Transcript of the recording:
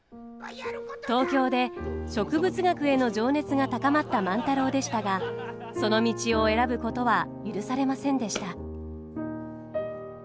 東京で植物学への情熱が高まった万太郎でしたがその道を選ぶことは許されませんでした。